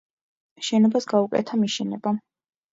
შენობას გაუკეთა მიშენება.